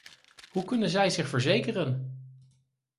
Hoe kunnen zij zich verzekeren?